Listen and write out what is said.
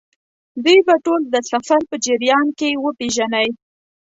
دوی به ټول د سفر په جریان کې وپېژنئ.